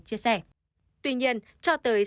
chia sẻ tuy nhiên cho tới